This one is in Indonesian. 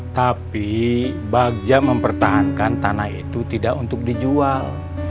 tapi bagja mempertahankan tanah itu tidak untuk dijual